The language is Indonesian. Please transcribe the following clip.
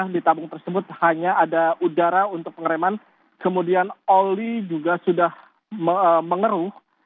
di tabung tersebut hanya ada udara untuk pengereman kemudian oli juga sudah mengeru